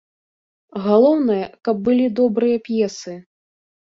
Галоўнае, каб былі добрыя п'есы.